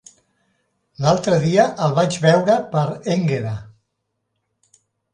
L'altre dia el vaig veure per Énguera.